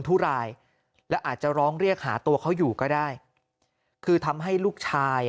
ทุรายและอาจจะร้องเรียกหาตัวเขาอยู่ก็ได้คือทำให้ลูกชายอ่ะ